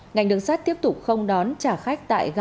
ngành đường sát tiếp tục không đón trả khách